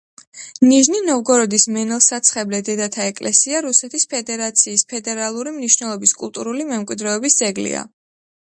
ნიჟნი-ნოვგოროდის მენელსაცხებლე დედათა ეკლესია რუსეთის ფედერაცის ფედერალური მნიშვნელობის კულტურული მემკვიდრეობის ძეგლია.